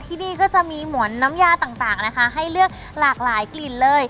ที่นี่ก็จะมีหมวลน้ำยาต่างนะคะให้เลือกหลากหลายกลิ่นเลย